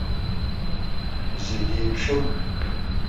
Зегьы еиԥшым.